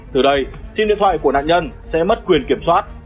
từ đây xin điện thoại của nạn nhân sẽ mất quyền kiểm soát